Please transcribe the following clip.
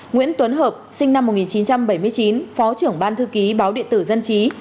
nguyễn tuấn hợp sinh năm một nghìn chín trăm bảy mươi chín phó trưởng ban thư ký báo điện tử dân trí